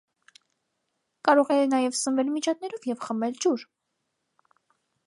Կարող է նաև սնվել միջատներով և խմել ջուր։